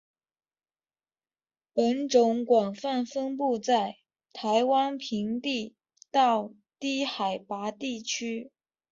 本种广泛分布在台湾平地到低海拔山区。